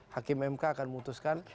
hakim mk akan memutuskan